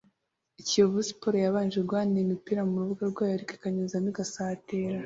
Kiyovu Sports yabanje guhanahanira imipira mu rubuga rwayo ariko ikanyuzamo igasatira